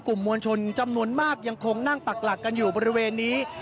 มวลชนจำนวนมากยังคงนั่งปักหลักกันอยู่บริเวณนี้